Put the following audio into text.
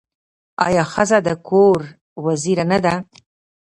آیا ښځه د کور وزیره نه ده؟